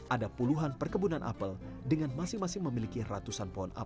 ada puluhan perkebunan apel dengan masing masing memiliki ratusan pohon apel